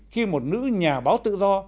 khi một nữ nhà báo tự do